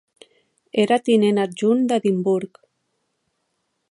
Era tinent adjunt d'Edimburg.